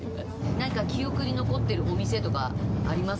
なんか記憶に残ってるお店とかありますかね？